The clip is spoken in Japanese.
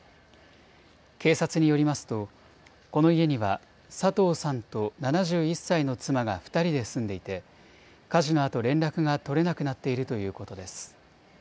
警察によりますとこの家には佐藤さんと７１歳の妻が２人で住んでいて火事のあと連絡が取れなくなっているということです。